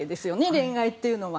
恋愛というのは。